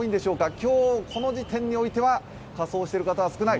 今日、この時点においては仮装してる方は少ない。